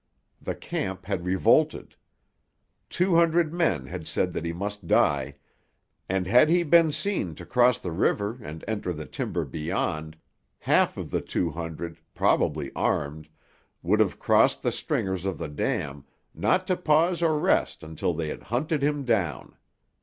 The camp had revolted. Two hundred men had said that he must die; and had he been seen to cross the river and enter the timber beyond, half of the two hundred, properly armed, would have crossed the stringers of the dam, not to pause or rest until they had hunted him down.